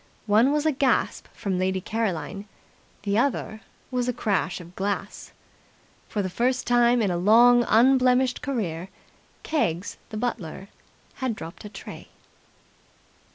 One was a gasp from Lady Caroline. The other was a crash of glass. For the first time in a long unblemished career Keggs the butler had dropped a tray.